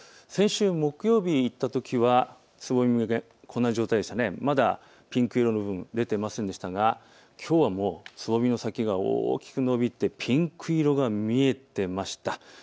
先週、木曜日に行ったときはつぼみ、こんな状態でしてピンク色の部分、出ていませんでしたがきょうはつぼみの先が大きく伸びてピンク色が見えていました。